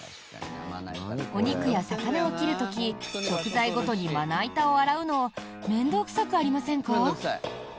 お肉や魚を切る時食材ごとにまな板を洗うの面倒臭くありませんか？